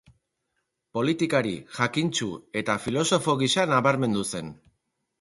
Politikari, jakintsu eta filosofo gisa nabarmendu zen.